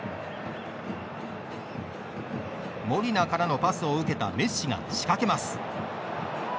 モリナからのパスを受けたメッシが仕掛けます。